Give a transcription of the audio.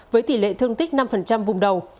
với tỷ lệ thương tích năm vùng đầu